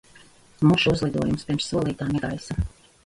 Mušu uzlidojums pirms solītā negaisa.